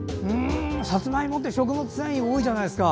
さつまいもって食物繊維多いじゃないですか。